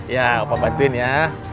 ya apa bantuin ya